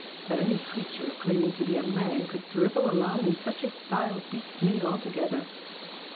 That any creature claiming to be a man could drivel along in such a style beats me altogether!"